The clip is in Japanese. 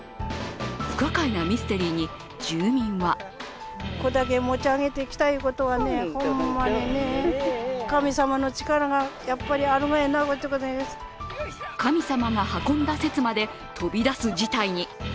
不可解なミステリーに住民は神様が運んだ説まで飛び出す事態に。